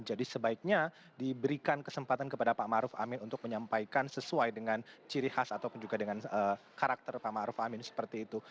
jadi sebaiknya diberikan kesempatan kepada pak ma'ruf amin untuk menyampaikan sesuai dengan ciri khas ataupun juga dengan karakter pak ma'ruf amin seperti itu